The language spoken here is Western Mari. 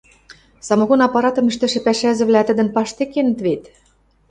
Самогон аппаратым ӹштӹшӹ пӓшӓзӹвлӓ тӹдӹн паштек кенӹт вет?